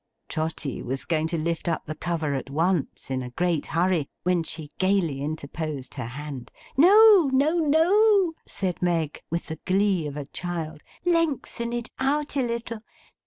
Trotty was going to lift up the cover at once, in a great hurry, when she gaily interposed her hand. 'No, no, no,' said Meg, with the glee of a child. 'Lengthen it out a little.